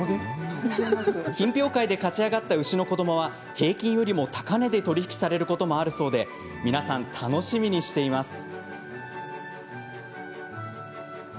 品評会で勝ち上がった牛の子どもは平均よりも高値で取り引きされることもあるそうで皆さん楽しみにしています。